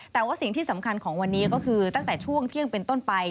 แต่ว่าสิ่งที่สำคัญของวันนี้ก็คือตั้งแต่ช่วงเที่ยงเป็นต้นไป